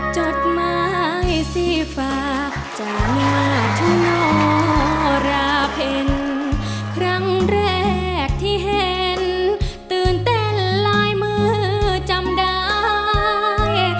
จดหมายสีฟ้าจ่อหน้าฉันนราเพ็ญครั้งแรกที่เห็นตื่นเต้นลายมือจำได้